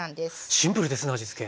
シンプルですね味つけ。